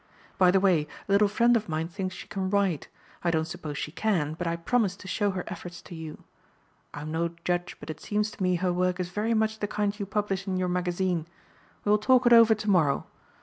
By the way, a little friend of mine thinks she can write. I don't suppose she can, but I promised to show her efforts to you. I'm no judge but it seems to me her work is very much the kind you publish in your magazine. We will talk it over to morrow.